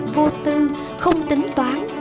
vô tư không tính toán